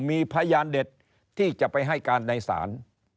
มีพยานเด็ดที่จะไปให้การในศาล